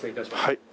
はい。